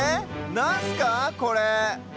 なんすかこれ？